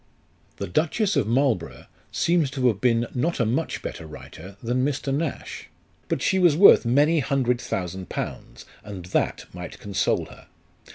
The Duchess of Marlborough seems to have been not a much better writer than Mr. Nash ; but she was worth many hundred thousand pounds, and that might console her.